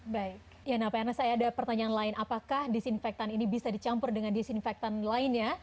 baik ya nah pak erna saya ada pertanyaan lain apakah disinfektan ini bisa dicampur dengan disinfektan lainnya